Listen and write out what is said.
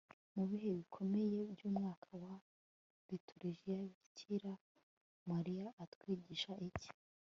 mu bihe bikomeye by'umwaka wa liturjiya bikira mariya atwigisha iki